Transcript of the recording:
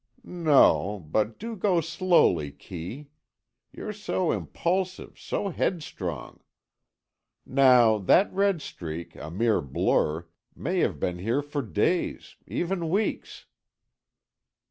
"No, but do go slowly, Kee. You're so impulsive, so headstrong. Now, that red streak, a mere blur, may have been here for days—even weeks."